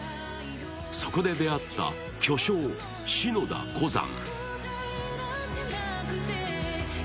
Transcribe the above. そこで出会った巨匠・篠田湖山。